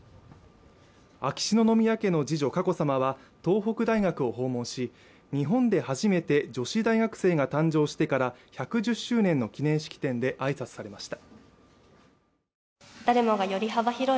秋篠宮家の次女・佳子さまは東北大学を訪問し日本で初めて女子大学生が誕生してから１１０周年の記念式典であいさつされました